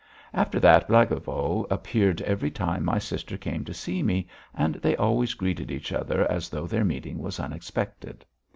After that Blagovo appeared every time my sister came to see me, and they always greeted each other as though their meeting was unexpected.